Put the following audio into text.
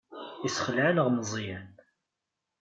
Yessexleɛ-aneɣ Meẓyan.